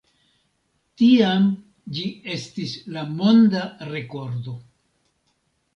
Tiam ĝi estis la monda rekordo.